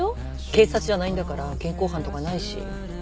警察じゃないんだから現行犯とかないし。